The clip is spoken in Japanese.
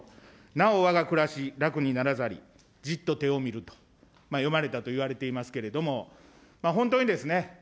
なおわが暮らし楽にならざり、じっと手を見ると詠まれたといわれておりますけれども、本当にですね、